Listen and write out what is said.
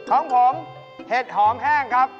ของผมเห็ดหอมแห้งครับ